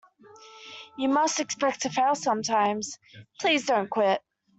You must expect to fail sometimes; please don't quit.